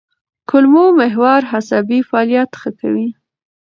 کولمو محور عصبي فعالیت ښه کوي.